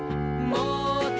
もう。